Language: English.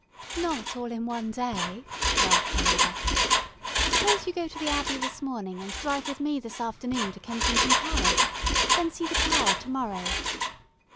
"Not all in one day," laughed her mother. "Suppose you go to the Abbey this morning and drive with me this afternoon to Kensington Palace. Then see the Tower to morrow."